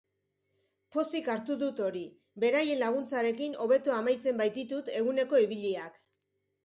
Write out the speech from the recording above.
Pozik hartu dut hori, beraien laguntzarekin hobeto amaitzen baititut eguneko ibiliak.